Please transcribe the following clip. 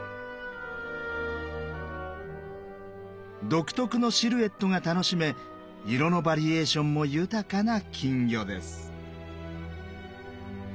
独特のシルエットが楽しめ色のバリエーションも豊かな金魚です。